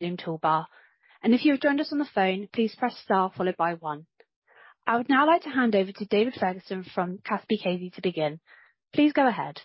Zoom toolbar. If you have joined us on the phone, please press star followed by one. I would now like to hand over to David Ferguson from Kaspi.kz to begin. Please go ahead.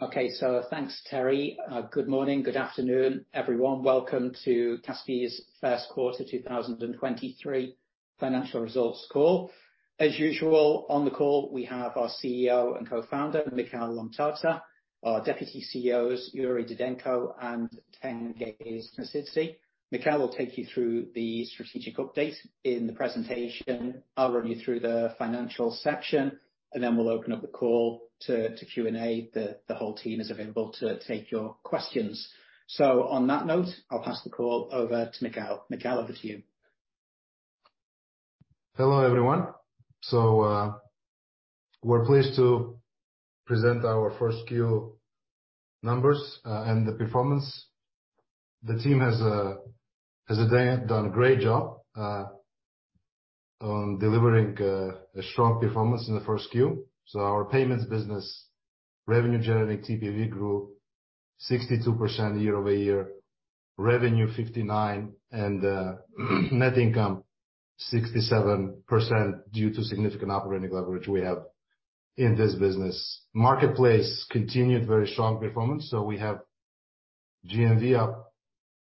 Okay. Thanks, Terry. Good morning, good afternoon, everyone. Welcome to Kaspi's First Quarter 2023 Financial Results Call. As usual, on the call we have our CEO and Co-Founder, Mikhail Lomtadze, our deputy CEOs, Yuri Didenko and Tengiz Mosidze. Mikhail will take you through the strategic update in the presentation. I'll run you through the financial section, and then we'll open up the call to Q&A. The whole team is available to take your questions. On that note, I'll pass the call over to Mikhail. Mikhail, over to you. Hello, everyone. We're pleased to present our Q1 numbers and the performance. The team has done a great job on delivering a strong performance in the Q1. Our payments business revenue generating TPV grew 62% year-over-year. Revenue 59%, and net income 67% due to significant operating leverage we have in this business. Marketplace continued very strong performance. We have GMV up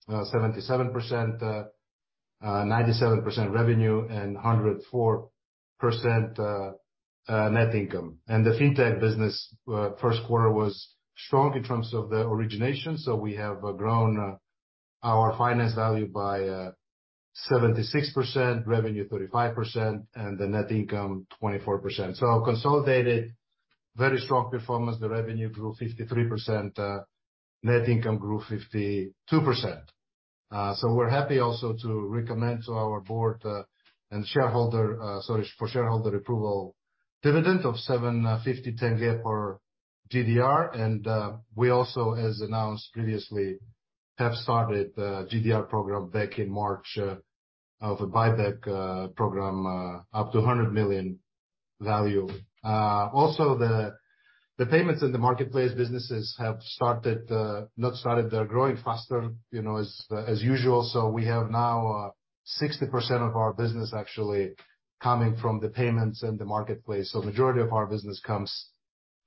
77%, 97% revenue and 104% net income. The fintech business first quarter was strong in terms of the origination. We have grown our finance value by 76%, revenue 35% and the net income 24%. Consolidated very strong performance. The revenue grew 53%, net income grew 52%. So we're happy also to recommend to our board and shareholder, sorry for shareholder approval dividend of KZT 750 per GDR. We also, as announced previously, have started the GDR program back in March of a buyback program up to KZT 100 million value. Also the payments in the marketplace businesses have started, not started, they're growing faster, you know, as usual. We have now 60% of our business actually coming from the payments in the marketplace. Majority of our business comes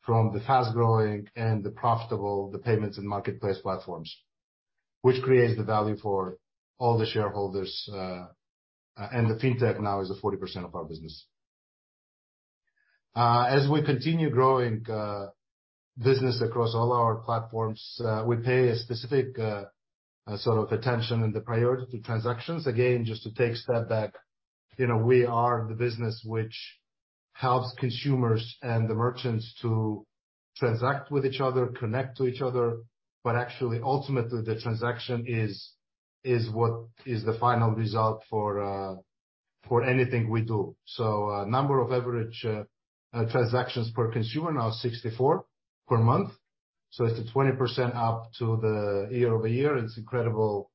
from the fast-growing and the profitable, the payments and marketplace platforms, which creates the value for all the shareholders, and the fintech now is 40% of our business. As we continue growing business across all our platforms, we pay a specific sort of attention and the priority to transactions. Just to take a step back, you know, we are the business which helps consumers and the merchants to transact with each other, connect to each other, but actually ultimately the transaction is what is the final result for anything we do. A number of average transactions per consumer now 64 per month. It's a 20% up to the year-over-year. It's incredible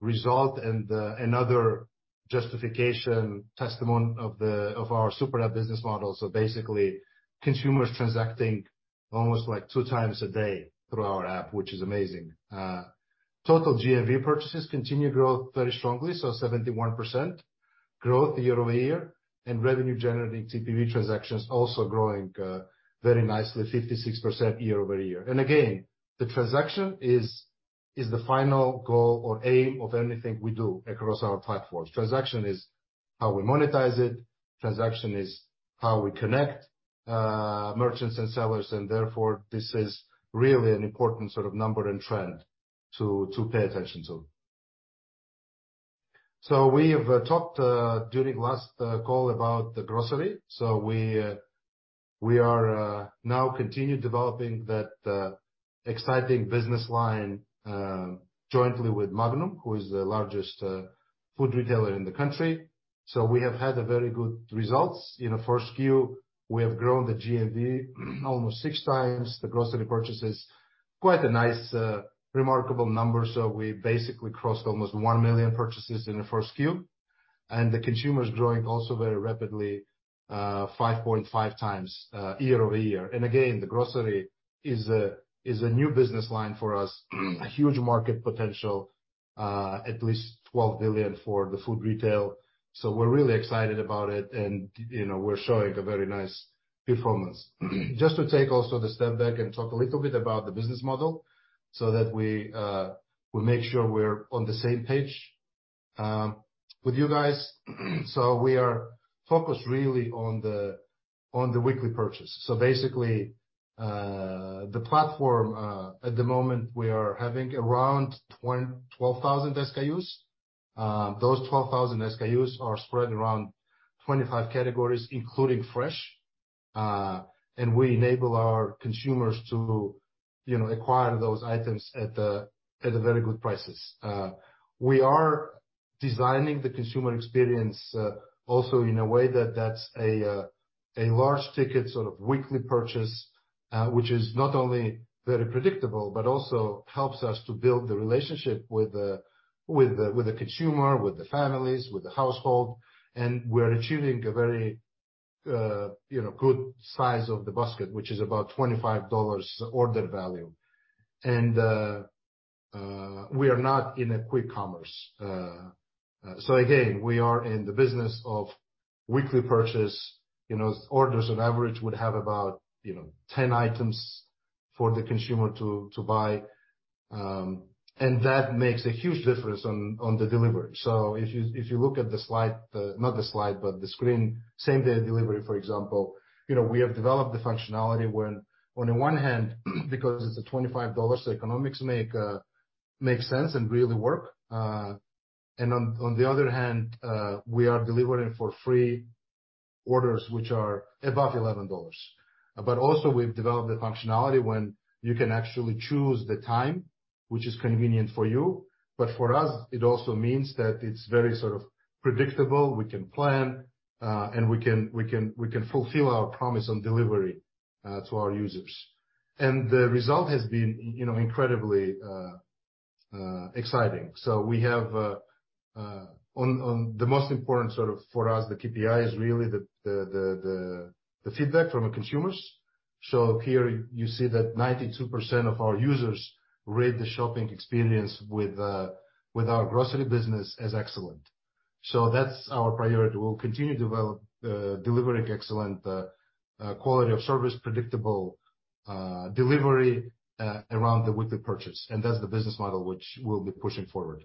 result and another justification testimony of our Super App business model. Basically consumers transacting almost like 2 times a day through our app, which is amazing. Total GMV purchases continue growth very strongly, so 71% growth year-over-year, and revenue generating TPV transactions also growing very nicely 56% year-over-year. Again, the transaction is the final goal or aim of anything we do across our platforms. Transaction is how we monetize it, transaction is how we connect merchants and sellers, and therefore, this is really an important sort of number and trend to pay attention to. We have talked during last call about the grocery. We are now continue developing that exciting business line jointly with Magnum, who is the largest food retailer in the country. We have had a very good results. In the Q1, we have grown the GMV almost 6 times the grocery purchases. Quite a nice remarkable number. We basically crossed almost 1 million purchases in the Q1. The consumers growing also very rapidly, 5.5 times year-over-year. Again, the grocery is a new business line for us, a huge market potential, at least 12 billion for the food retail. We're really excited about it and, you know, we're showing a very nice performance. Just to take also the step back and talk a little bit about the business model so that we make sure we're on the same page with you guys. We are focused really on the weekly purchase. Basically, the platform, at the moment we are having around 12,000 SKUs. Those 12,000 SKUs are spread around 25 categories, including fresh. We enable our consumers to, you know, acquire those items at a very good prices. We are designing the consumer experience also in a way that that's a large ticket sort of weekly purchase, which is not only very predictable, but also helps us to build the relationship with the consumer, with the families, with the household. We're achieving a very, you know, good size of the basket, which is about $25 order value. We are not in a quick commerce. Again, we are in the business of weekly purchase. You know, orders on average would have about, you know, 10 items for the consumer to buy, and that makes a huge difference on the delivery. If you look at the slide, not the slide, but the screen, same-day delivery, for example. You know, we have developed the functionality when on the one hand, because it's a $25, the economics make sense and really work. And on the other hand, we are delivering for free orders which are above $11. Also we've developed the functionality when you can actually choose the time which is convenient for you. For us, it also means that it's very sort of predictable. We can plan, and we can fulfill our promise on delivery to our users. The result has been, you know, incredibly exciting. We have on the most important sort of for us, the KPI is really the feedback from the consumers. Here you see that 92% of our users rate the shopping experience with our grocery business as excellent. That's our priority. We'll continue to develop delivering excellent quality of service, predictable delivery around the weekly purchase, and that's the business model which we'll be pushing forward.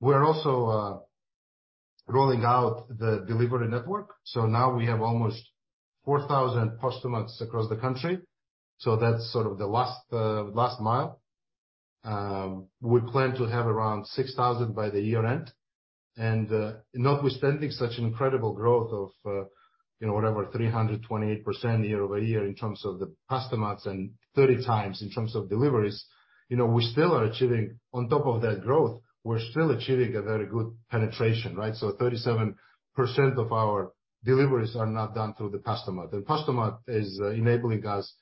We're also rolling out the delivery network. Now we have almost 4,000 Postomats across the country. That's sort of the last mile. We plan to have around 6,000 by the year-end. Notwithstanding such an incredible growth of, you know, whatever, 328% year-over-year in terms of the Postomats and 30 times in terms of deliveries, you know, on top of that growth, we're still achieving a very good penetration, right? 37% of our deliveries are now done through the Postomat. Postomat is enabling us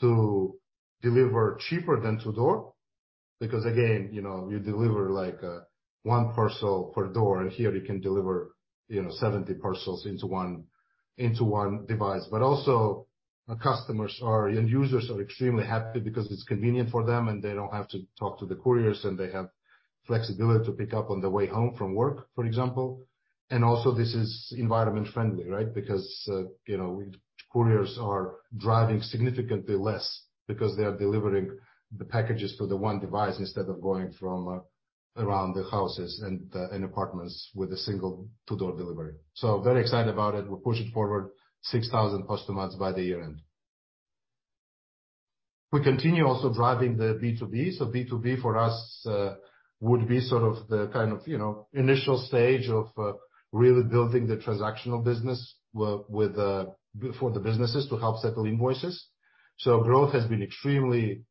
to deliver cheaper than to door, because again, you know, you deliver like one parcel per door, and here you can deliver, you know, 70 parcels into one device. Also our customers or end users are extremely happy because it's convenient for them, and they don't have to talk to the couriers, and they have flexibility to pick up on the way home from work, for example. Also this is environment-friendly, right? Because, you know, couriers are driving significantly less because they are delivering the packages to the one device instead of going from around the houses and apartments with a single to-door delivery. Very excited about it. We're pushing forward 6,000 Postomats by the year-end. We continue also driving the B2B. B2B for us would be sort of the kind of, you know, initial stage of really building the transactional business with for the businesses to help settle invoices. Growth has been extremely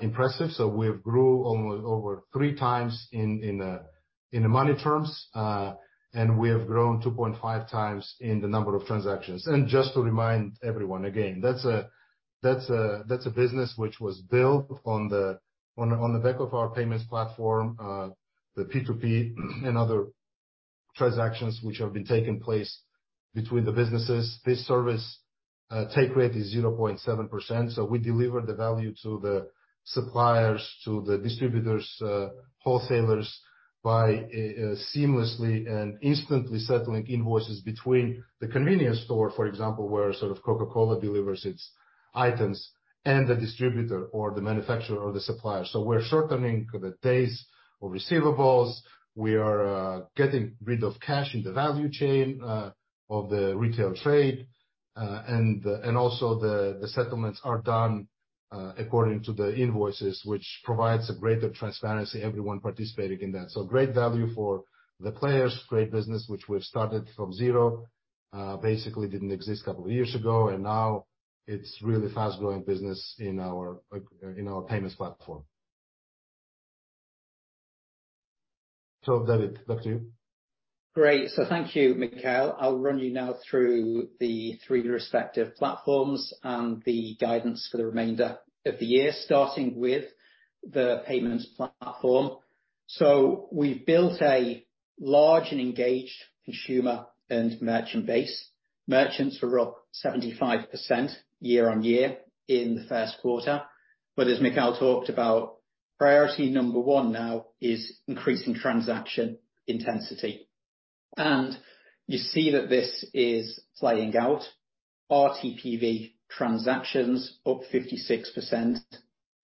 impressive. We've grew almost over 3 times in money terms, and we have grown 2.5 times in the number of transactions. Just to remind everyone, again, that's a business which was built on the back of our payments platform, the P2P and other transactions which have been taking place between the businesses. This service, take rate is 0.7%. We deliver the value to the suppliers, to the distributors, wholesalers, by seamlessly and instantly settling invoices between the convenience store, for example, where sort of Coca-Cola delivers its items, and the distributor or the manufacturer or the supplier. We're shortening the days of receivables. We are getting rid of cash in the value chain of the retail trade, and also the settlements are done according to the invoices, which provides a greater transparency, everyone participating in that. Great value for the players, great business, which we've started from zero. Basically didn't exist a couple of years ago, and now it's really fast-growing business in our in our payments platform. David, back to you. Thank you, Mikhail. I'll run you now through the three respective platforms and the guidance for the remainder of the year, starting with the payments platform. We've built a large and engaged consumer and merchant base. Merchants are up 75% year-on-year in the first quarter. As Mikhail talked about, priority number one now is increasing transaction intensity. You see that this is playing out. Our TPV transactions up 56%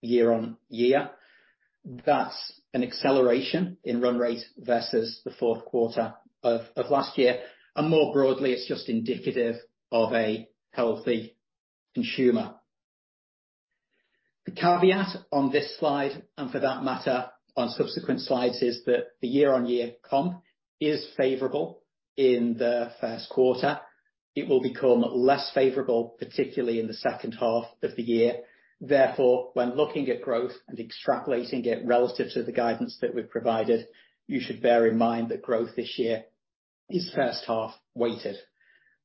year-on-year. That's an acceleration in run rate versus the fourth quarter of last year. More broadly, it's just indicative of a healthy consumer. The caveat on this slide, and for that matter on subsequent slides, is that the year-on-year comp is favorable in the first quarter. It will become less favorable, particularly in the second half of the year. Therefore, when looking at growth and extrapolating it relative to the guidance that we've provided, you should bear in mind that growth this year is first half weighted.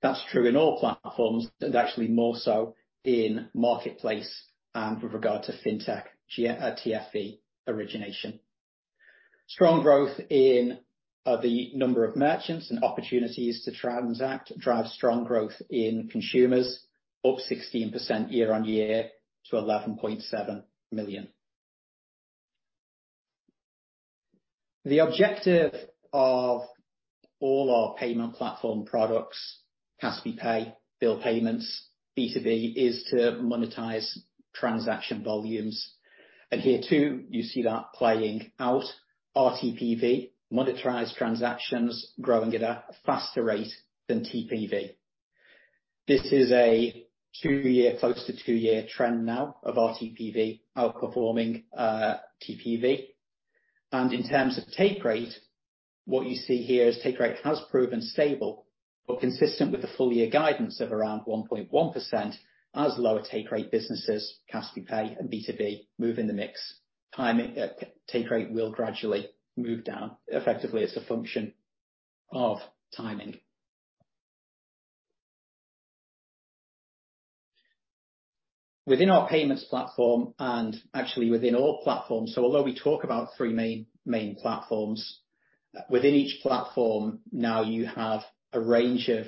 That's true in all platforms, and actually more so in marketplace and with regard to Fintech, TFE origination. Strong growth in the number of merchants and opportunities to transact drives strong growth in consumers, up 16% year on year to 11.7 million. The objective of all our payment platform products, cash to pay, Bill Payments, B2B, is to monetize transaction volumes. Here too, you see that playing out. RTPV, monetized transactions growing at a faster rate than TPV. This is a two-year, close to two-year trend now of RTPV outperforming TPV. In terms of take rate, what you see here is take rate has proven stable or consistent with the full year guidance of around 1.1% as lower take rate businesses, cash to pay and B2B, move in the mix. Timing, take rate will gradually move down. Effectively, it's a function of timing. Within our payments platform and actually within all platforms. Although we talk about three main platforms, within each platform now you have a range of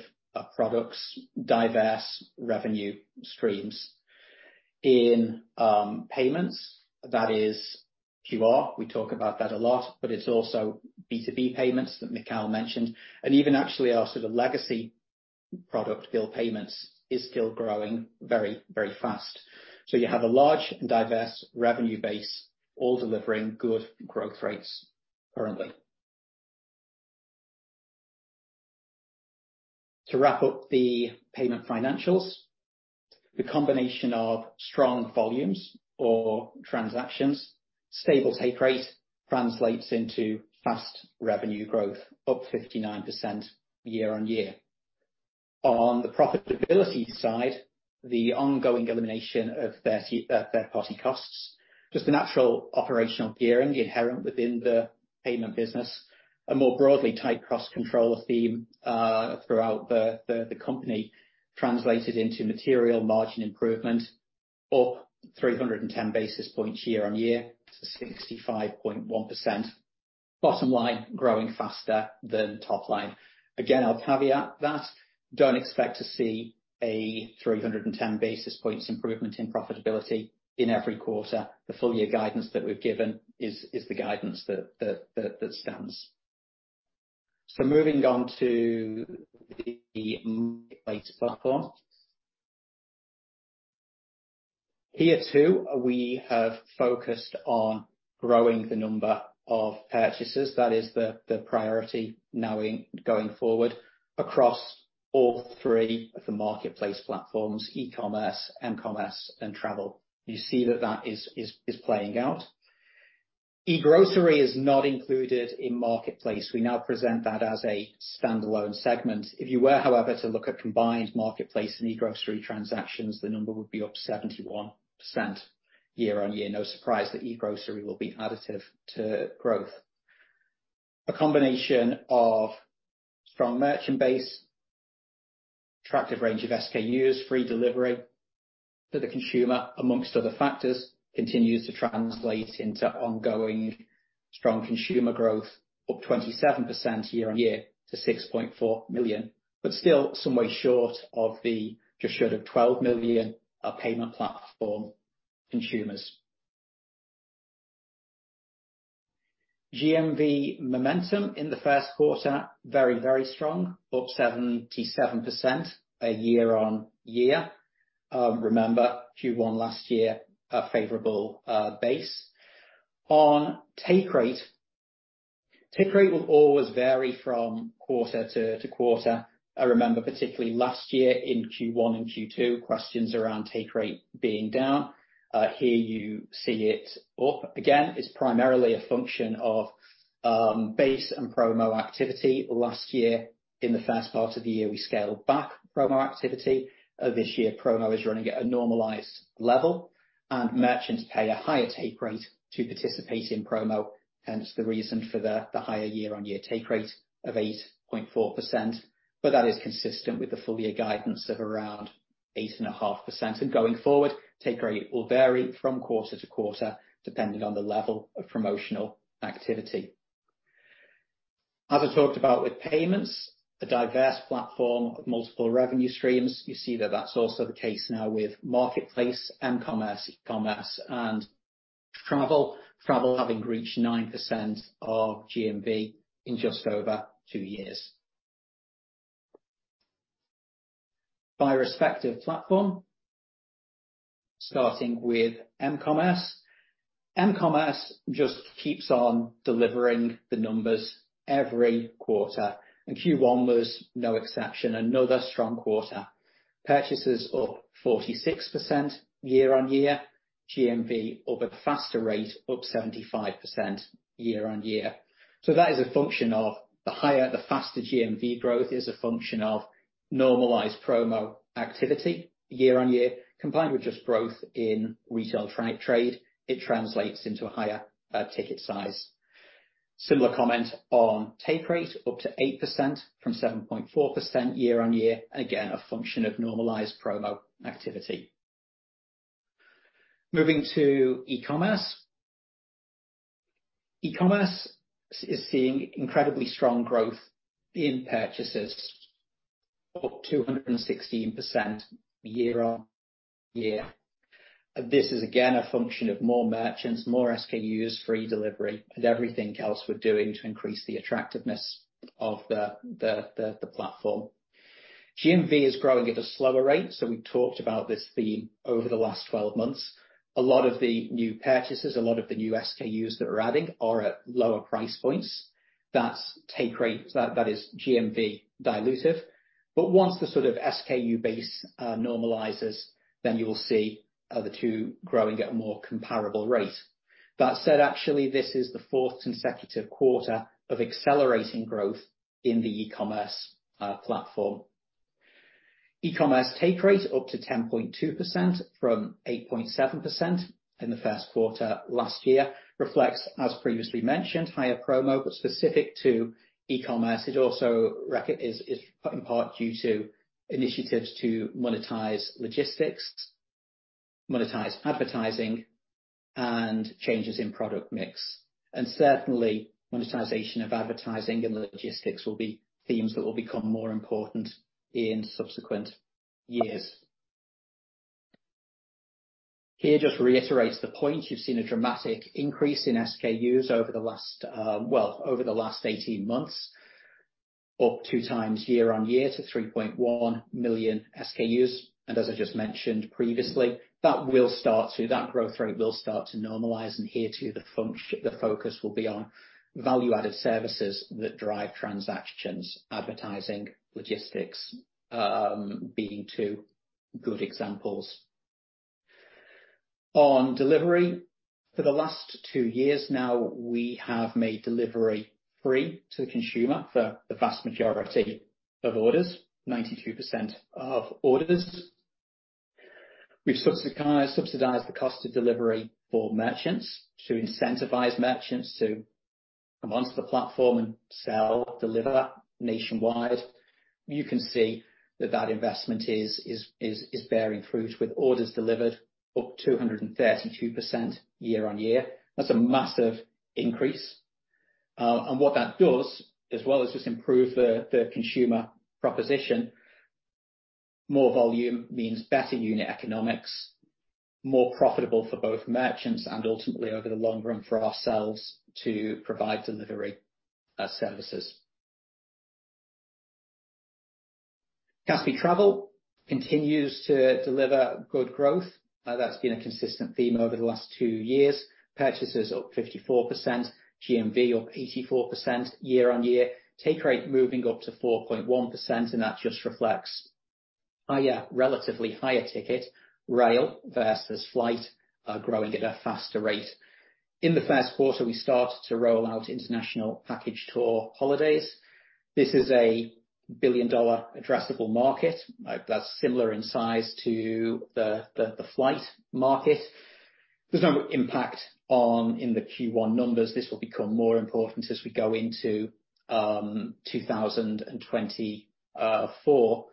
products, diverse revenue streams. In payments, that is QR. We talk about that a lot, but it's also B2B payments that Mikhail mentioned. Even actually our sort of legacy product Bill Payments is still growing very, very fast. You have a large and diverse revenue base all delivering good growth rates currently. To wrap up the payment financials, the combination of strong volumes or transactions, stable take rate translates into fast revenue growth, up 59% year-on-year. On the profitability side, the ongoing elimination of 30 third-party costs, just the natural operational gearing inherent within the payment business, and more broadly tight cost control theme throughout the company translated into material margin improvement, up 310 basis points year-on-year to 65.1%. Bottom line, growing faster than top line. Again, I'll caveat that. Don't expect to see a 310 basis points improvement in profitability in every quarter. The full year guidance that we've given is the guidance that stands. Moving on to the marketplace platform. Here too, we have focused on growing the number of purchases. That is the priority now going forward across all three of the Marketplace platforms, e-Commerce, m-commerce, and travel. You see that is playing out. e-Grocery is not included in Marketplace. We now present that as a standalone segment. If you were, however, to look at combined Marketplace and e-Grocery transactions, the number would be up 71% year-on-year. No surprise that e-Grocery will be additive to growth. A combination of strong merchant base, attractive range of SKUs, free delivery to the consumer, amongst other factors, continues to translate into ongoing strong consumer growth, up 27% year-on-year to 6.4 million, but still some way short of the just short of 12 million of payment platform consumers. GMV momentum in the first quarter, very strong, up 77% year-on-year. Remember Q1 last year a favorable base. On take rate, take rate will always vary from quarter to quarter. Remember, particularly last year in Q1 and Q2, questions around take rate being down. Here you see it up again. It's primarily a function of base and promo activity. Last year, in the first part of the year, we scaled back promo activity. This year, promo is running at a normalized level, and merchants pay a higher take rate to participate in promo, hence the reason for the higher year-on-year take rate of 8.4%. That is consistent with the full year guidance of around 8.5%. Going forward, take rate will vary from quarter to quarter, depending on the level of promotional activity. As I talked about with payments, a diverse platform of multiple revenue streams. You see that that's also the case now with Marketplace, m-commerce, e-commerce, and Travel. Travel having reached 9% of GMV in just over two years. By respective platform, starting with m-commerce. m-commerce just keeps on delivering the numbers every quarter, and Q1 was no exception. Another strong quarter. Purchases up 46% year-on-year. GMV up at a faster rate, up 75% year-on-year. That is a function of the faster GMV growth is a function of normalized promo activity year-on-year, combined with just growth in retail trade, it translates into a higher ticket size. Similar comment on take rate, up to 8% from 7.4% year-on-year. Again, a function of normalized promo activity. Moving to e-commerce. e-Commerce is seeing incredibly strong growth in purchases, up 216% year-on-year. This is again, a function of more merchants, more SKUs, free delivery and everything else we're doing to increase the attractiveness of the platform. GMV is growing at a slower rate. We talked about this theme over the last 12 months. A lot of the new purchases, a lot of the new SKUs that we're adding are at lower price points. That's take rate. That is GMV dilutive. Once the sort of SKU base normalizes, then you will see the two growing at a more comparable rate. That said, actually this is the fourth consecutive quarter of accelerating growth in the e-Commerce platform. e-Commerce take rate up to 10.2% from 8.7% in the first quarter last year. Reflects, as previously mentioned, higher promo, but specific to eCommerce. It also is part due to initiatives to monetize logistics, monetize advertising and changes in product mix. Certainly monetization of advertising and logistics will be themes that will become more important in subsequent years. Here, just to reiterate the point, you've seen a dramatic increase in SKUs over the last, well, over the last 18 months, up two times year-on-year to 3.1 million SKUs. As I just mentioned previously, that growth rate will start to normalize. Here too, the focus will be on value-added services that drive transactions, advertising, logistics, being two good examples. On delivery, for the last two years now we have made delivery free to the consumer for the vast majority of orders, 92% of orders. We've subsidized the cost of delivery for merchants to incentivize merchants to come onto the platform and sell, deliver nationwide. You can see that that investment is bearing fruit with orders delivered up 232% year-on-year. That's a massive increase. What that does as well as just improve the consumer proposition, more volume means better unit economics, more profitable for both merchants and ultimately over the long run, for ourselves to provide delivery services. Kaspi Travel continues to deliver good growth. That's been a consistent theme over the last two years. Purchases up 54%, GMV up 84% year-on-year. Take rate moving up to 4.1%, that just reflects higher, relatively higher ticket rail versus flight, growing at a faster rate. In the first quarter, we started to roll out international package tour holidays. This is a billion-dollar addressable market that's similar in size to the flight market. There's no impact on in the Q1 numbers. This will become more important as we go into 2024. For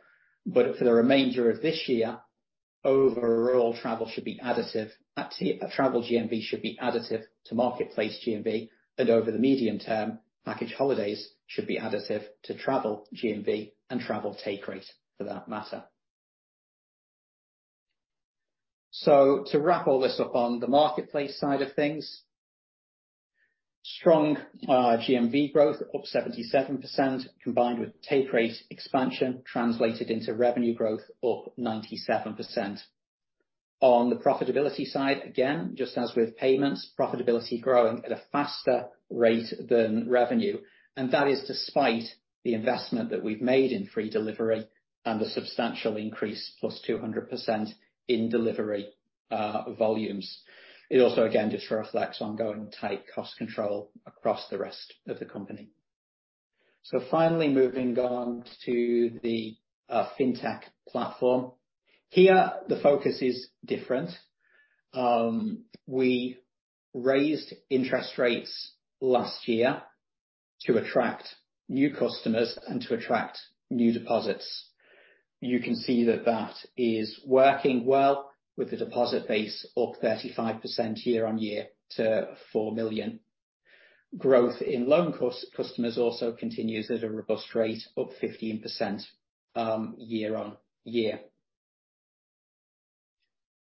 the remainder of this year, overall travel should be additive. Actually, travel GMV should be additive to marketplace GMV, and over the medium term, package holidays should be additive to travel GMV and travel take rate for that matter. To wrap all this up on the marketplace side of things, strong GMV growth up 77%, combined with take rate expansion translated into revenue growth up 97%. On the profitability side, again, just as with payments, profitability growing at a faster rate than revenue. That is despite the investment that we've made in free delivery and the substantial increase, +200% in delivery volumes. It also again, just reflects ongoing tight cost control across the rest of the company. Finally moving on to the Fintech platform. Here the focus is different. We raised interest rates last year to attract new customers and to attract new deposits. You can see that that is working well with the deposit base up 35% year-on-year to 4 million. Growth in loan customers also continues at a robust rate, up 15% year-on-year.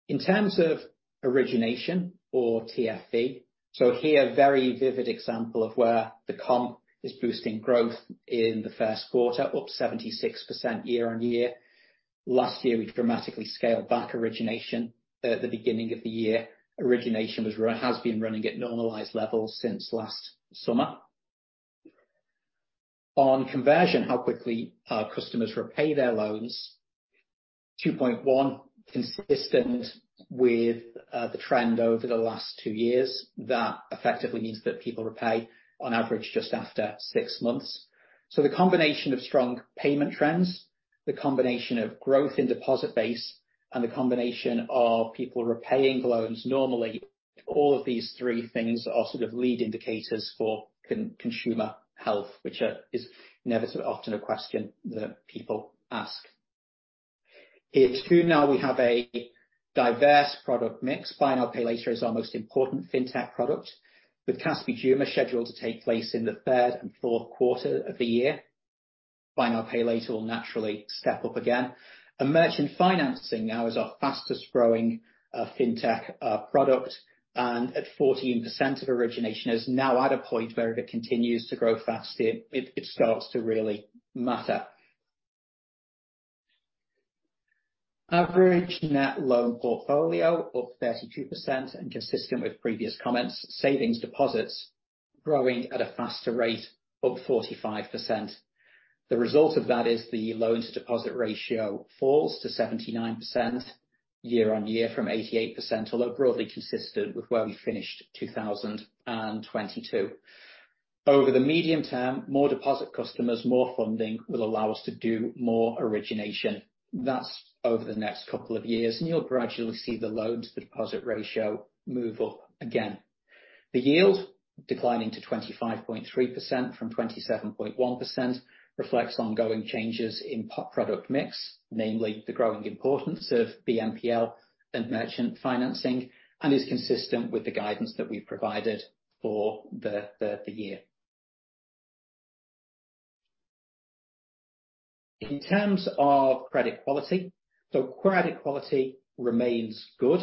In terms of origination or TFE, here a very vivid example of where the comp is boosting growth in the first quarter, up 76% year-on-year. Last year, we dramatically scaled back origination. At the beginning of the year, origination has been running at normalized levels since last summer. On conversion, how quickly customers repay their loans, 2.1 consistent with the trend over the last two years. That effectively means that people repay on average just after six months. The combination of strong payment trends, the combination of growth in deposit base and the combination of people repaying loans normally. All of these three things are sort of lead indicators for consumer health, which is never so often a question that people ask. In tune now we have a diverse product mix. Buy now, pay later is our most important fintech product. With Kaspi Juma scheduled to take place in the third and fourth quarter of the year, buy now, pay later will naturally step up again. Merchant financing now is our fastest growing fintech product, and at 14% of origination is now at a point where if it continues to grow faster, it starts to really matter. Average net loan portfolio up 32% and consistent with previous comments, savings deposits growing at a faster rate, up 45%. The result of that is the loan to deposit ratio falls to 79% year-on-year from 88%, although broadly consistent with where we finished 2022. Over the medium term, more deposit customers, more funding will allow us to do more origination. That's over the next couple of years, and you'll gradually see the loans to deposit ratio move up again. The yield declining to 25.3% from 27.1% reflects ongoing changes in product mix, namely the growing importance of BNPL and merchant financing, and is consistent with the guidance that we provided for the year. In terms of credit quality, credit quality remains good.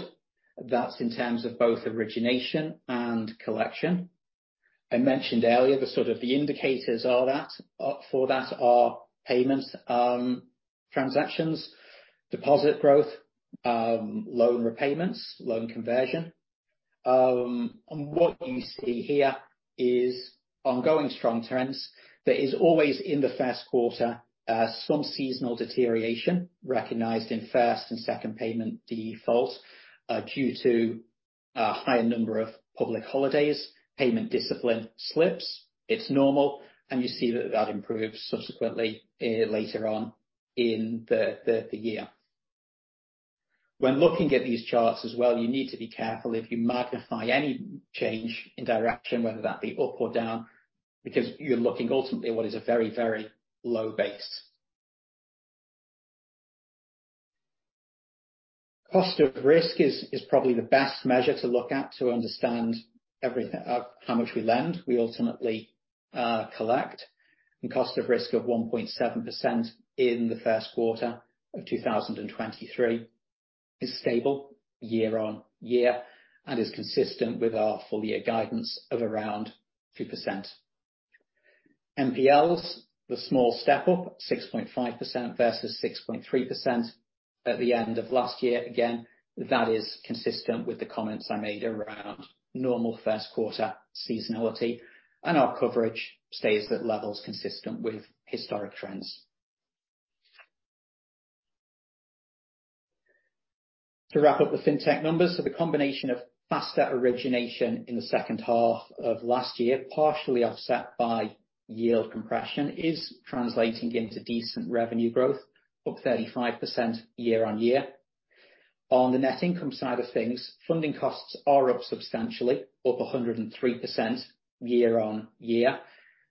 That's in terms of both origination and collection. I mentioned earlier the sort of the indicators are that are payments, transactions, deposit growth, loan repayments, loan conversion. What you see here is ongoing strong trends. There is always in the first quarter some seasonal deterioration recognized in first and second payment defaults due to a higher number of public holidays, payment discipline slips. It's normal, and you see that that improves subsequently later on in the year. When looking at these charts as well, you need to be careful if you magnify any change in direction, whether that be up or down, because you're looking ultimately at what is a very, very low base. Cost of risk is probably the best measure to look at to understand how much we lend, we ultimately collect. Cost of risk of 1.7% in the first quarter of 2023 is stable year-over-year and is consistent with our full year guidance of around 2%. NPLs, the small step up, 6.5% versus 6.3% at the end of last year. That is consistent with the comments I made around normal first quarter seasonality. Our coverage stays at levels consistent with historic trends. To wrap up the Fintech numbers, the combination of faster origination in the second half of last year, partially offset by yield compression, is translating into decent revenue growth, up 35% year-on-year. On the net income side of things, funding costs are up substantially, up 103% year-on-year.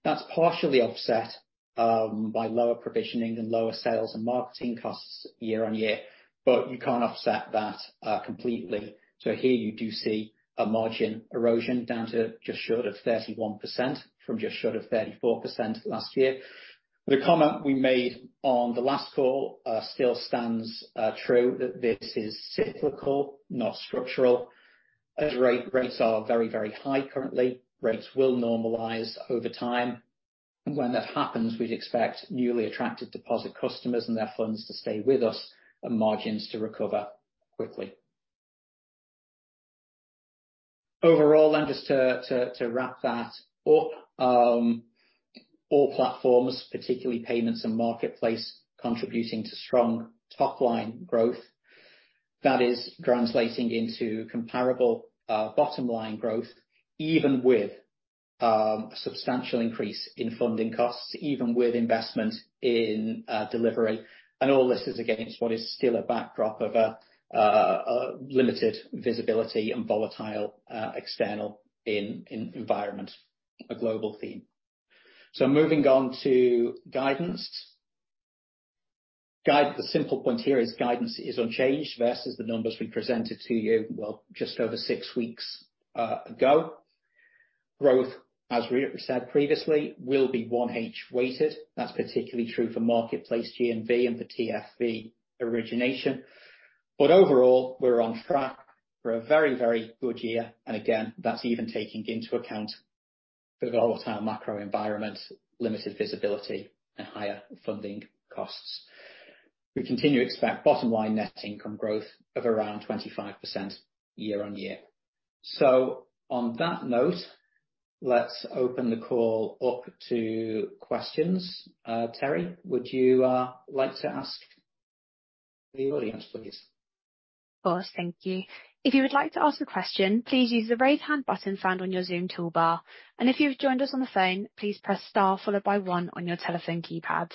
That's partially offset by lower provisioning and lower sales and marketing costs year-on-year, but you can't offset that completely. Here you do see a margin erosion down to just short of 31% from just short of 34% last year. The comment we made on the last call still stands true, that this is cyclical, not structural, as rates are very, very high currently. Rates will normalize over time, and when that happens, we'd expect newly attracted deposit customers and their funds to stay with us and margins to recover quickly. Overall, just to wrap that up, all platforms, particularly payments and marketplace, contributing to strong top-line growth. That is translating into comparable bottom line growth, even with substantial increase in funding costs, even with investment in delivery. All this is against what is still a backdrop of a limited visibility and volatile external environment, a global theme. Moving on to guidance. The simple point here is guidance is unchanged versus the numbers we presented to you, well, just over six weeks ago. Growth, as we said previously, will be H1 weighted. That's particularly true for marketplace GMV and for TFV origination. Overall, we're on track for a very, very good year. Again, that's even taking into account the volatile macro environment, limited visibility and higher funding costs. We continue to expect bottom line net income growth of around 25% year-on-year. On that note, let's open the call up to questions. Terry, would you like to ask the audience please? Of course. Thank you. If you would like to ask a question, please use the Raise Hand button found on your Zoom toolbar. If you've joined us on the phone, please press star followed by one on your telephone keypads.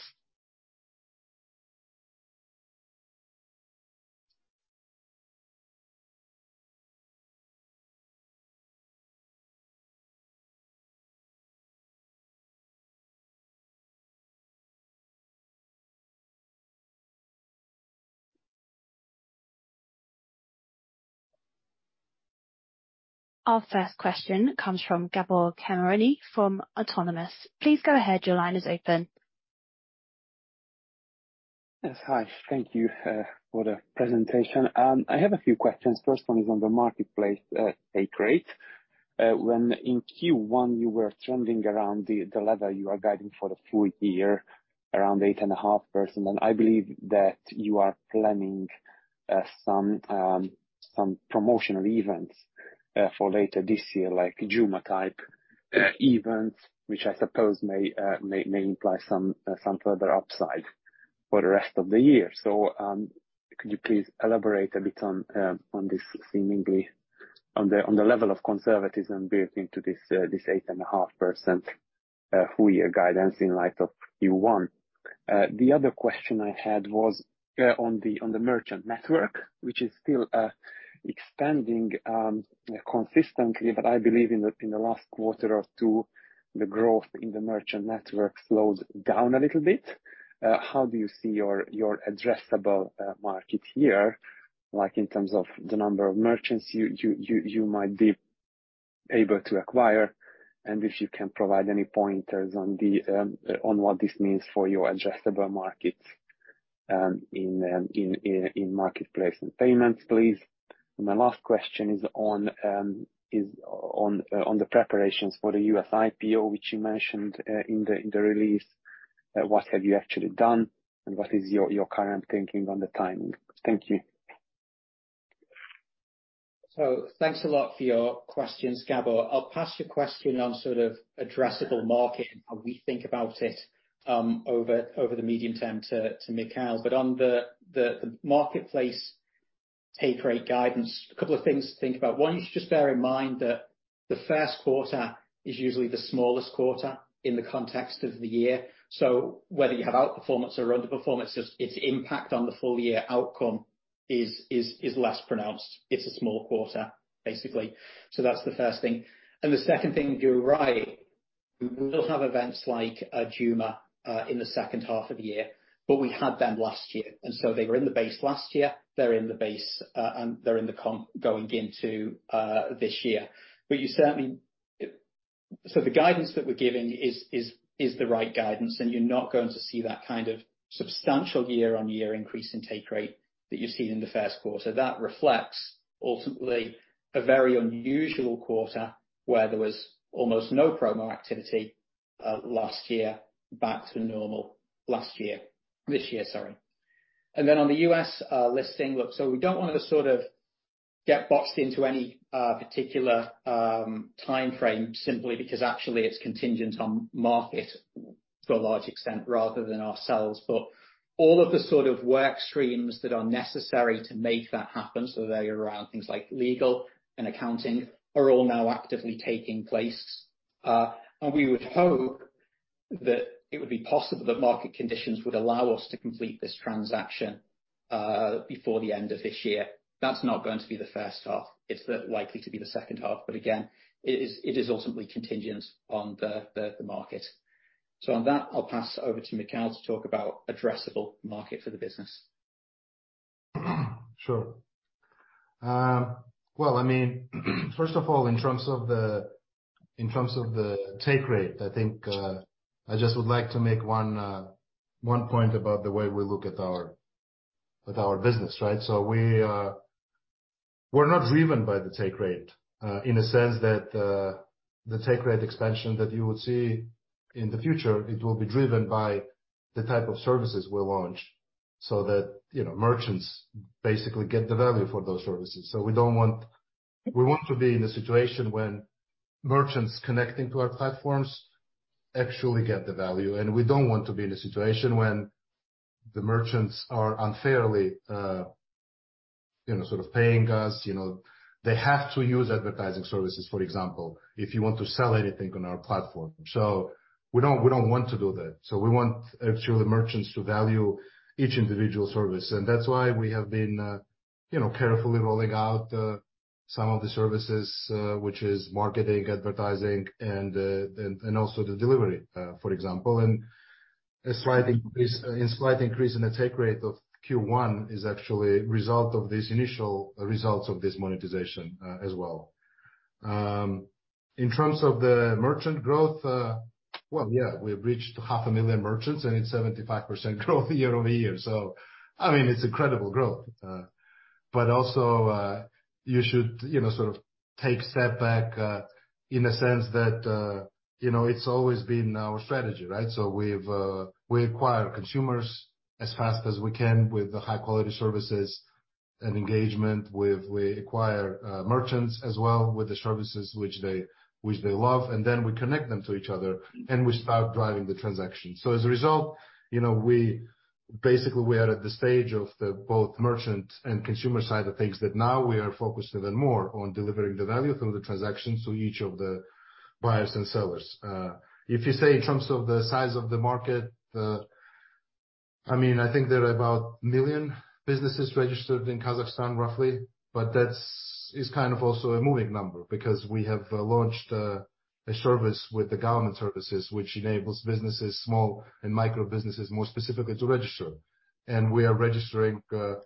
Our first question comes from Gabor Kemeny from Autonomous. Please go ahead. Your line is open. Yes. Hi. Thank you for the presentation. I have a few questions. First one is on the marketplace take rate. When in Q1 you were trending around the level you are guiding for the full year, around 8.5%, and I believe that you are planning some promotional events for later this year, like Juma type events, which I suppose may imply some further upside for the rest of the year. Could you please elaborate a bit on on this seemingly on the level of conservatism built into this 8.5% full year guidance in light of Q1? The other question I had was on the merchant network, which is still expanding consistently, but I believe in the last quarter or two, the growth in the merchant network slows down a little bit. How do you see your addressable market here, like in terms of the number of merchants you might be able to acquire? If you can provide any pointers on what this means for your addressable markets in marketplace and payments, please. My last question is on the preparations for the U.S. IPO, which you mentioned in the release. What have you actually done, and what is your current thinking on the timing? Thank you. Thanks a lot for your questions, Gabor. I'll pass your question on sort of addressable market and how we think about it over the medium term to Mikhail. On the marketplace take rate guidance, a couple of things to think about. One, you should just bear in mind that the first quarter is usually the smallest quarter in the context of the year. Whether you have outperformance or underperformance, its impact on the full year outcome is less pronounced. It's a small quarter, basically. That's the first thing. The second thing, you're right. We will have events like Juma in the second half of the year, but we had them last year, and so they were in the base last year. They're in the base, and they're going into this year. You certainly. The guidance that we're giving is the right guidance, and you're not going to see that kind of substantial year-on-year increase in take rate that you've seen in the first quarter. That reflects ultimately a very unusual quarter where there was almost no promo activity last year, back to normal this year, sorry. Then on the U.S. listing. Look, we don't wanna sort of get boxed into any particular timeframe simply because actually it's contingent on market to a large extent rather than ourselves. All of the sort of work streams that are necessary to make that happen, so they're around things like legal and accounting, are all now actively taking place. We would hope that it would be possible that market conditions would allow us to complete this transaction before the end of this year. That's not going to be the first half. It's likely to be the second half, but again, it is ultimately contingent on the, the market. On that, I'll pass over to Mikhail to talk about addressable market for the business. Sure. Well, I mean, first of all, in terms of the, in terms of the take rate, I think, I just would like to make one, 1 point about the way we look at our, at our business, right. We, we're not driven by the take rate, in a sense that, the take rate expansion that you would see in the future, it will be driven by the type of services we launch so that, you know, merchants basically get the value for those services. We want to be in a situation when merchants connecting to our platforms actually get the value, and we don't want to be in a situation when the merchants are unfairly, you know, sort of paying us. You know, they have to use advertising services, for example, if you want to sell anything on our platform. We don't want to do that. We want actually merchants to value each individual service, and that's why we have been, you know, carefully rolling out some of the services, which is marketing, advertising, and also the delivery, for example. A slight increase in the take rate of Q1 is actually result of these initial results of this monetization as well. In terms of the merchant growth, well, yeah, we've reached half a million merchants, and it's 75% growth year-over-year. I mean, it's incredible growth. Also, you should, you know, sort of take step back, in a sense that, you know, it's always been our strategy, right? We acquire consumers as fast as we can with the high quality services and engagement. We acquire merchants as well with the services which they, which they love, and then we connect them to each other and we start driving the transaction. As a result, you know, we basically we are at the stage of the both merchant and consumer side of things that now we are focusing even more on delivering the value through the transaction to each of the buyers and sellers. If you say in terms of the size of the market, I mean, I think there are about a million businesses registered in Kazakhstan, roughly. That's is kind of also a moving number because we have launched a service with the government services, which enables businesses, small and micro businesses more specifically, to register. We are registering, you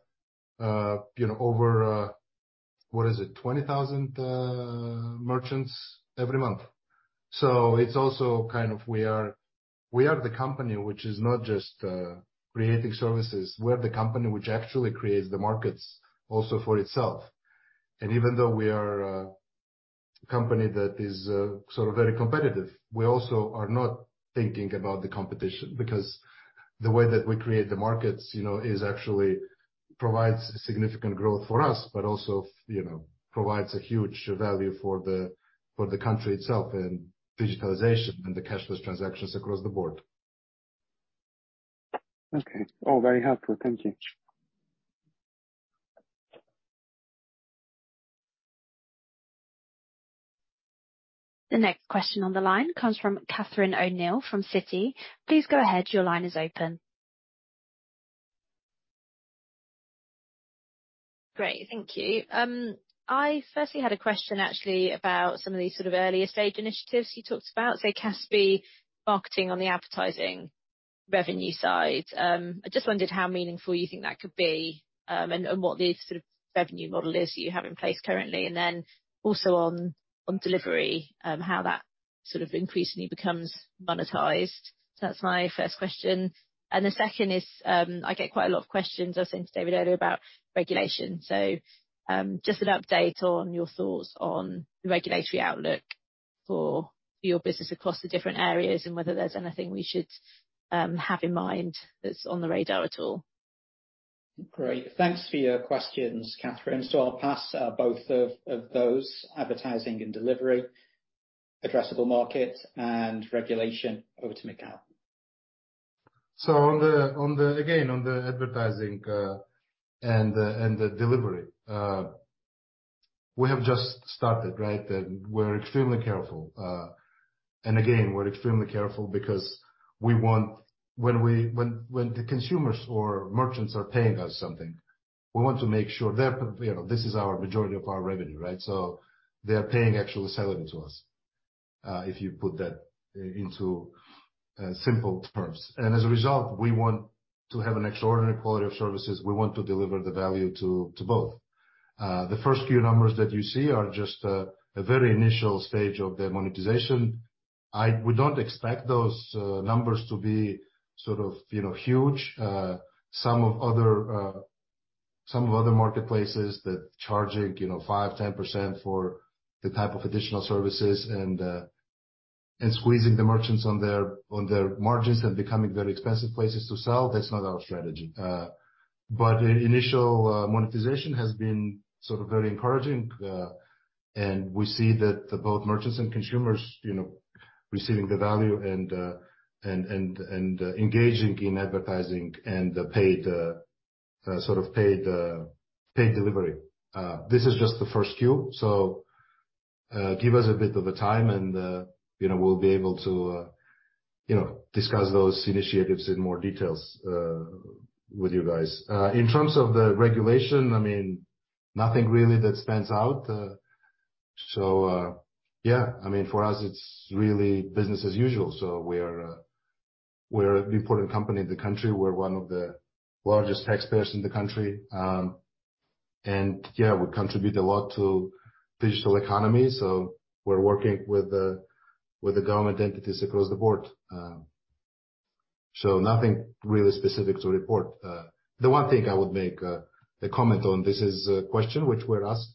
know, over, what is it? 20,000 merchants every month. It's also kind of we are, we are the company which is not just creating services. We are the company which actually creates the markets also for itself. Even though we are a company that is sort of very competitive, we also are not thinking about the competition, because the way that we create the markets, you know, is actually provides significant growth for us, but also, you know, provides a huge value for the country itself and digitalization and the cashless transactions across the board. Okay. All very helpful. Thank you. The next question on the line comes from Catherine O'Neill from Citi. Please go ahead. Your line is open. Great. Thank you. I firstly had a question actually about some of these sort of earlier stage initiatives you talked about. Say Kaspi Marketing on the advertising revenue side. I just wondered how meaningful you think that could be, and what the sort of revenue model is you have in place currently, and then also on delivery, how that sort of increasingly becomes monetized. That's my first question. The second is, I get quite a lot of questions, I was saying to David earlier, about regulation. Just an update on your thoughts on the regulatory outlook for your business across the different areas and whether there's anything we should have in mind that's on the radar at all. Great. Thanks for your questions, Catherine. I'll pass both of those advertising and delivery, addressable market and regulation over to Mikhail. On the advertising and the delivery, we have just started, right? We're extremely careful. Again, we're extremely careful because we want. When the consumers or merchants are paying us something, we want to make sure they're, you know, this is our majority of our revenue, right? They're paying actual selling to us, if you put that into simple terms. As a result, we want to have an extraordinary quality of services. We want to deliver the value to both. The first few numbers that you see are just a very initial stage of the monetization. We don't expect those numbers to be sort of, you know, huge. some of other marketplaces that charging, you know, 5%, 10% for the type of additional services and squeezing the merchants on their, on their margins and becoming very expensive places to sell, that's not our strategy. Initial monetization has been sort of very encouraging. We see that both merchants and consumers, you know, receiving the value and engaging in advertising and the paid sort of paid delivery. This is just the Q1. give us a bit of a time and, you know, we'll be able to, you know, discuss those initiatives in more details with you guys. In terms of the regulation, I mean, nothing really that stands out. Yeah, I mean, for us, it's really business as usual. We're an important company in the country. We're one of the largest taxpayers in the country. And yeah, we contribute a lot to digital economy, so we're working with the government entities across the board. Nothing really specific to report. The one thing I would make a comment on this is a question which we're asked,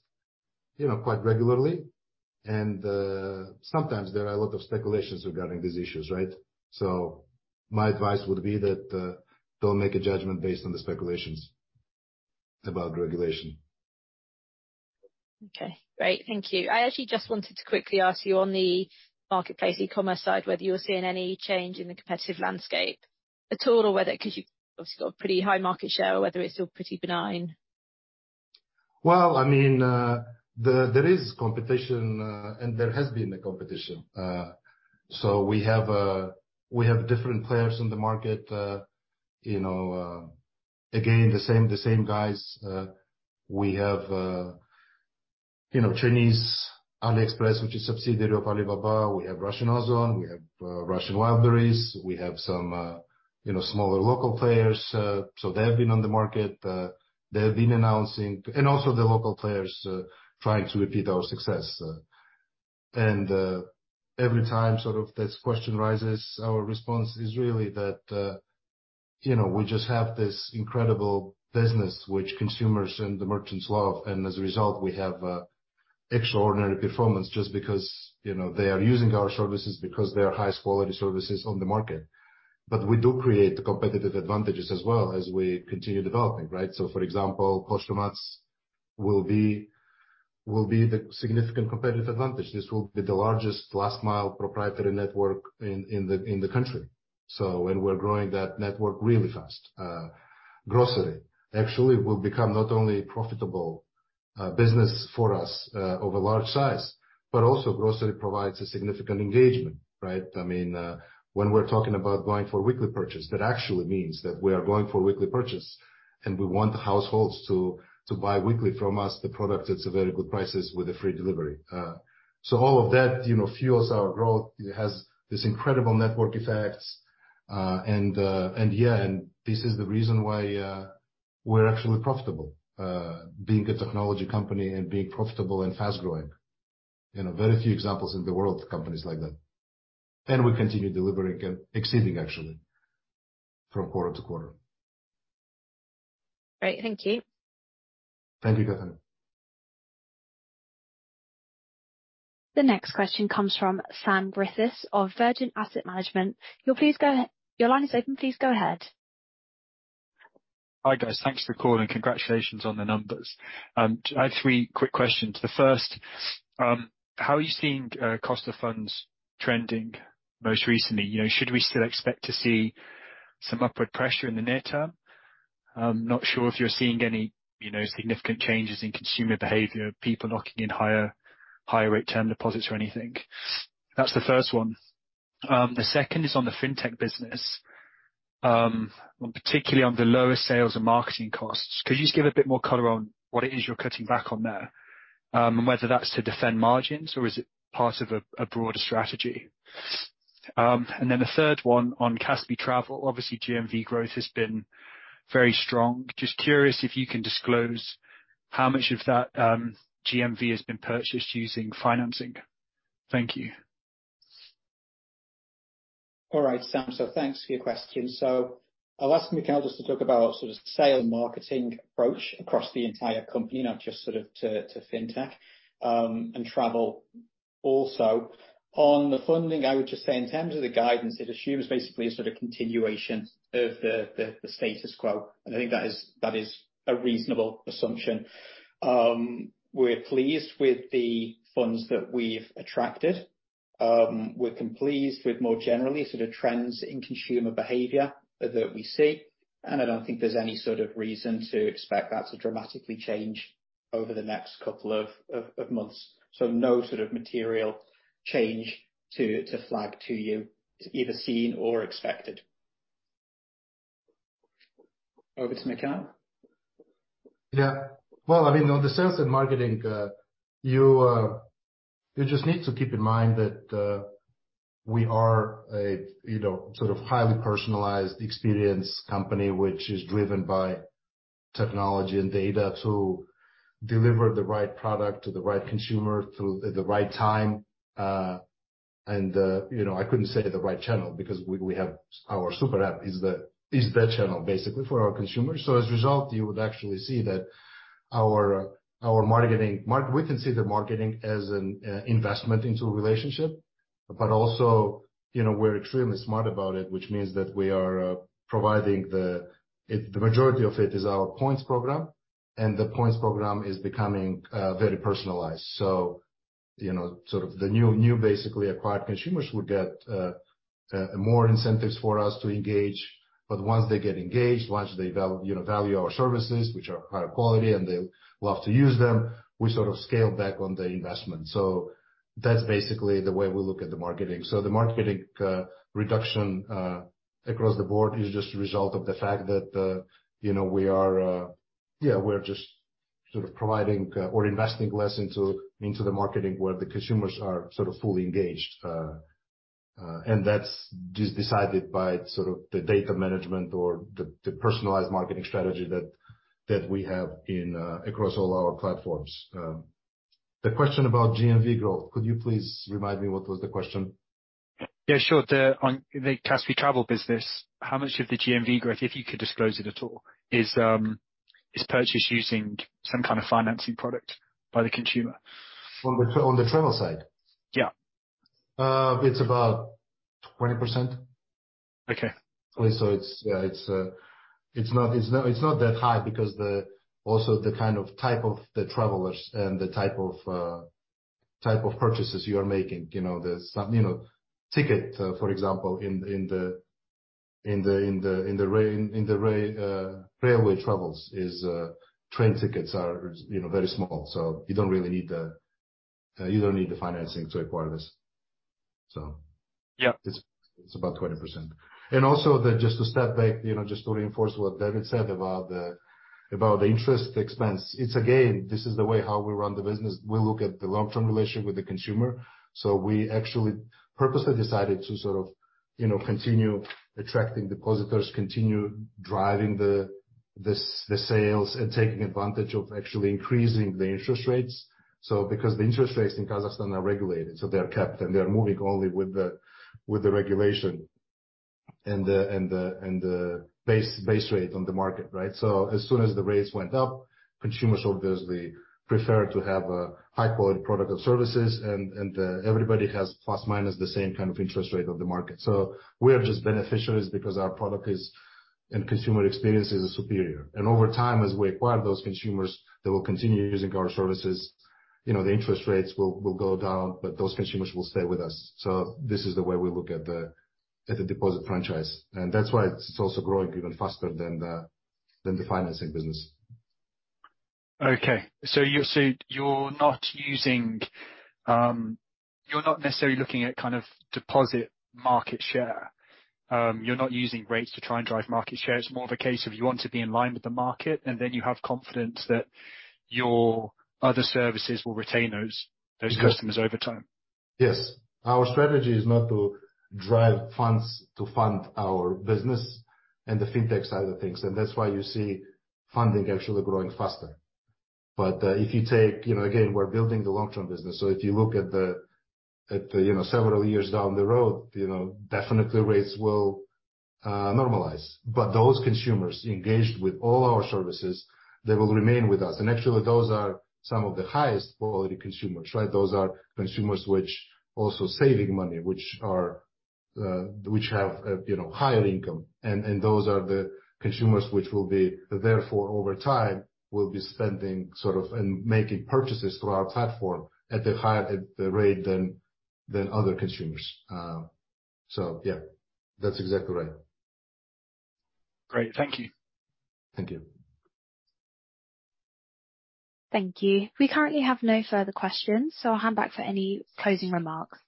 you know, quite regularly, and sometimes there are a lot of speculations regarding these issues, right? My advice would be that don't make a judgment based on the speculations about regulation. Okay, great. Thank you. I actually just wanted to quickly ask you on the marketplace e-Commerce side, whether you're seeing any change in the competitive landscape at all or whether, 'cause you obviously got a pretty high market share, or whether it's all pretty benign? Well, I mean, there is competition, and there has been a competition. We have different players in the market. You know, again, the same guys. We have, you know, Chinese AliExpress, which is subsidiary of Alibaba. We have Russian Ozon, we have Russian Wildberries. We have some, you know, smaller local players. They have been on the market, they have been announcing, and also the local players, trying to repeat our success. Every time sort of this question rises, our response is really that, you know, we just have this incredible business which consumers and the merchants love. As a result, we have a extraordinary performance just because, you know, they are using our services because they are highest quality services on the market. We do create competitive advantages as well as we continue developing, right? For example, Postomats will be the significant competitive advantage. This will be the largest last mile proprietary network in the country. We're growing that network really fast. e-Grocery actually will become not only profitable business for us over large size, but also grocery provides a significant engagement, right? I mean, when we're talking about going for weekly purchase, that actually means that we are going for weekly purchase, and we want the households to buy weekly from us the product that's at very good prices with a free delivery. All of that, you know, fuels our growth. It has this incredible network effects. Yeah, and this is the reason why we're actually profitable, being a technology company and being profitable and fast-growing. You know, very few examples in the world of companies like that. We continue delivering and exceeding actually from quarter to quarter. Great. Thank you. Thank you, Catherine. The next question comes from Sam Brithes of Virgin Asset Management. You'll please go ahead. Your line is open. Please go ahead. Hi, guys. Thanks for calling. Congratulations on the numbers. I have three quick questions. The first, how are you seeing cost of funds trending most recently? You know, should we still expect to see some upward pressure in the near term? I'm not sure if you're seeing any, you know, significant changes in consumer behavior, people locking in higher rate term deposits or anything. That's the first one. The second is on the fintech business, particularly on the lower sales and marketing costs. Could you just give a bit more color on what it is you're cutting back on there, and whether that's to defend margins or is it part of a broader strategy? The third one on Kaspi Travel. Obviously, GMV growth has been very strong. Just curious if you can disclose how much of that GMV has been purchased using financing. Thank you. All right, Sam. Thanks for your question. I'll ask Mikhail just to talk about sort of sales marketing approach across the entire company, not just sort of to fintech and travel also. On the funding, I would just say in terms of the guidance, it assumes basically a sort of continuation of the status quo. I think that is, that is a reasonable assumption. We're pleased with the funds that we've attracted. We're pleased with more generally sort of trends in consumer behavior that we see, and I don't think there's any sort of reason to expect that to dramatically change over the next couple of months. No sort of material change to flag to you is either seen or expected. Over to Mikhail. Yeah. Well, I mean, on the sales and marketing, you just need to keep in mind that we are a, you know, sort of highly personalized experience company which is driven by technology and data to deliver the right product to the right consumer through at the right time. And, you know, I couldn't say the right channel because we have our Super App is the, is the channel basically for our consumers. As a result, you would actually see that our marketing we can see the marketing as an investment into a relationship. Also, you know, we're extremely smart about it, which means that we are providing the majority of it is our points program, and the points program is becoming very personalized. you know, sort of the new basically acquired consumers would get more incentives for us to engage. Once they get engaged, once they, you know, value our services, which are high quality and they love to use them, we sort of scale back on the investment. That's basically the way we look at the marketing. The marketing reduction across the board is just a result of the fact that, you know, we are, we're just sort of providing or investing less into the marketing where the consumers are sort of fully engaged. That's just decided by sort of the data management or the personalized marketing strategy that we have in across all our platforms. The question about GMV growth, could you please remind me what was the question? Sure. On the Kaspi Travel business, how much of the GMV growth, if you could disclose it at all, is purchased using some kind of financing product by the consumer? On the travel side? Yeah. It's about 20%. Okay. It's not that high because the also the kind of type of the travelers and the type of purchases you are making. You know, there's some, you know, ticket, for example, in the railway travels is, train tickets are, you know, very small, so you don't really need the financing to acquire this. Yeah. It's about 20%. Also, just to step back, you know, just to reinforce what David said about the interest expense. It's, again, this is the way how we run the business. We look at the long-term relationship with the consumer. We actually purposely decided to sort of, you know, continue attracting depositors, continue driving the sales and taking advantage of actually increasing the interest rates. Because the interest rates in Kazakhstan are regulated, they're capped, and they're moving only with the regulation and the base rate on the market, right? As soon as the rates went up, consumers obviously prefer to have a high-quality product and services and everybody has plus or minus the same kind of interest rate of the market. We are just beneficiaries because our product is, and consumer experience is superior. Over time, as we acquire those consumers, they will continue using our services. You know, the interest rates will go down, but those consumers will stay with us. This is the way we look at the deposit franchise. That's why it's also growing even faster than the financing business. Okay. You're saying you're not using, you're not necessarily looking at kind of deposit market share. You're not using rates to try and drive market share. It's more of a case of you want to be in line with the market, and then you have confidence that your other services will retain those customers over time. Yes. Our strategy is not to drive funds to fund our business and the fintech side of things, that's why you see funding actually growing faster. You know, again, we're building the long-term business. If you look at the, you know, several years down the road, you know, definitely rates will normalize. Those consumers engaged with all our services, they will remain with us. Actually, those are some of the highest quality consumers, right? Those are consumers which also saving money, which are, which have, you know, higher income. And those are the consumers which will be therefore, over time, will be spending sort of, and making purchases through our platform at a higher rate than other consumers. Yeah, that's exactly right. Great. Thank you. Thank you. Thank you. We currently have no further questions, so I'll hand back for any closing remarks.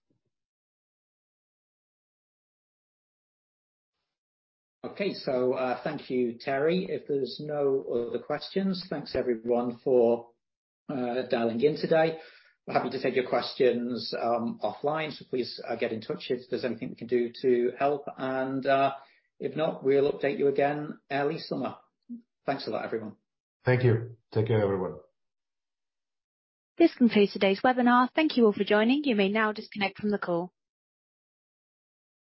Thank you, Terry. If there's no other questions, thanks everyone for dialing in today. We're happy to take your questions offline, so please get in touch if there's anything we can do to help. If not, we'll update you again early summer. Thanks a lot, everyone. Thank you. Take care, everyone. This concludes today's webinar. Thank you all for joining. You may now disconnect from the call.